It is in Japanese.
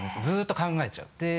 ずっと考えちゃう。